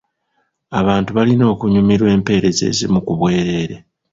Abantu balina okunyumirwa empereza ezimu ku bwereere.